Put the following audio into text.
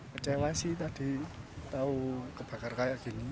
kecewa sih tadi tahu kebakar kayak gini